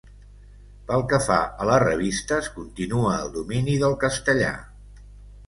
Pel que fa a les revistes, continua el domini del castellà.